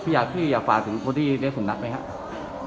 พี่หากที่อยากฝากถึงคนที่เลี้ยงสูงนักไหมครับ